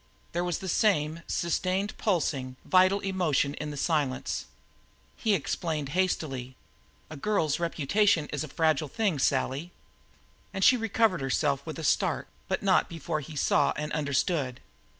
There was the same sustained pulsing, vital emotion in this silence. He explained hastily: "A girl's reputation is a fragile thing, Sally." And she recovered herself with a start, but not before he saw and understood.